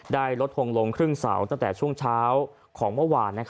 ได้ลดทงลงครึ่งเสาตั้งแต่ช่วงเช้าของเมื่อวาน